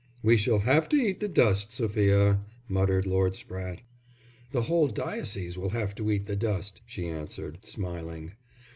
"We shall have to eat the dust, Sophia," muttered Lord Spratte. "The whole diocese will have to eat the dust," she answered, smiling.